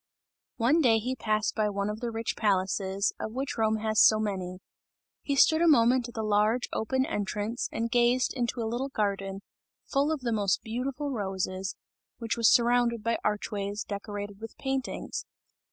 One day he passed by one of the rich palaces, of which Rome has so many; he stood a moment at the large open entrance, and gazed into a little garden, full of the most beautiful roses, which was surrounded by archways, decorated with paintings.